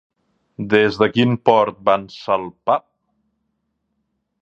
Des de quin port van salpar?